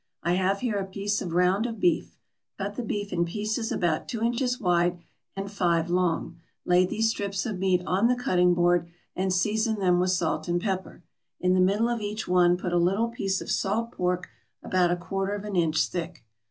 I have here a piece of round of beef. Cut the beef in pieces about two inches wide and five long; lay these strips of meat on the cutting board and season them with salt and pepper. In the middle of each one put a little piece of salt pork about a quarter of an inch thick.